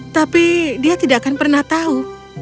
tapi dia tidak akan pernah tahu